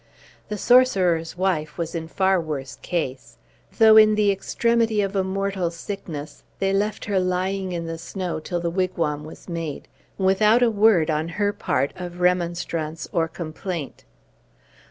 The sorcerer's wife was in far worse case. Though in the extremity of a mortal sickness, they left her lying in the snow till the wigwam was made, without a word, on her part, of remonstrance or complaint.